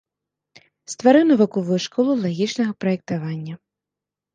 Стварыў навуковую школу лагічнага праектавання.